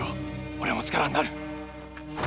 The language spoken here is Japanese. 俺も力になる。